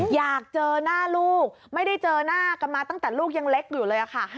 อยากเจอหน้าลูกไม่ได้เจอหน้ากันมาตั้งแต่ลูกยังเล็กอยู่เลยค่ะ